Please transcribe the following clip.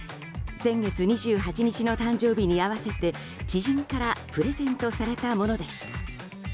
先月２８日の誕生日に合わせて知人からプレゼントされたものでした。